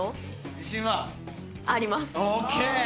自信は？あります。